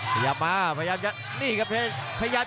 พยายามมาพยายามจะนี่ครับเพชร